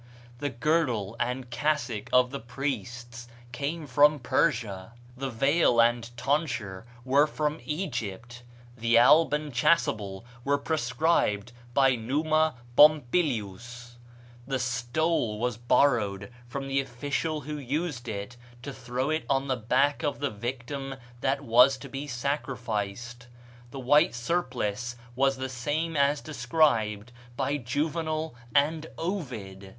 The girdle and cassock of the priests came from Persia; the veil and tonsure were from Egypt; the alb and chasuble were prescribed by Numa Pompilius; the stole was borrowed from the official who used to throw it on the back of the victim that was to be sacrificed; the white surplice was the same as described by Juvenal and Ovid."